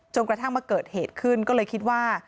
กระทั่งมาเกิดเหตุขึ้นก็เลยคิดว่า